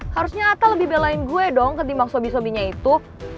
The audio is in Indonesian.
harusnya atta lebih belain gue dong ketimbang sobi sobinya itu